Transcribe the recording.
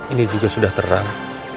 ini juga sudah terang